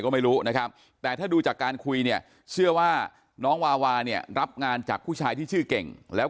ก็ไม่รู้นะครับแต่ถ้าดูจากการคุยเนี่ยเชื่อว่าน้องวาวาเนี่ยรับงานจากผู้ชายที่ชื่อเก่งแล้ว